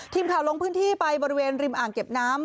ทีมข่าวลงพื้นที่ไปบริเวณริมอ่างเก็บน้ำ